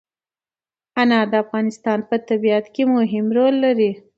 انار د افغانستان په طبیعت کې مهم رول لري.